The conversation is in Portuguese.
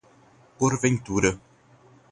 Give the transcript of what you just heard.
porventura